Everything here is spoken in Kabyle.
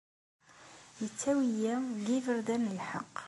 Ittawi-yi deg yiberdan n lḥeqq.